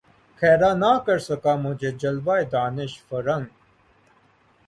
خیرہ نہ کر سکا مجھے جلوۂ دانش فرنگ